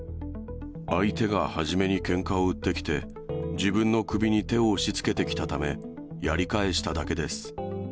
相手が初めにけんかを売ってきて、自分の首に手を押しつけてきたため、やり返しただけです。